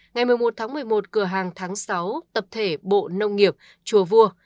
ngày một mươi một tháng một mươi một cửa hàng tháng sáu tập thể bộ nông nghiệp chùa vua